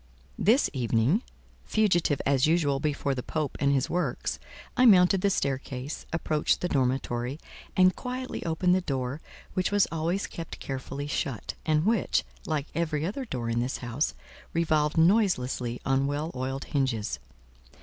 This evening, fugitive as usual before the Pope and his works, I mounted the staircase, approached the dormitory, and quietly opened the door, which was always kept carefully shut, and which, like every other door in this house, revolved noiselessly on well oiled hinges.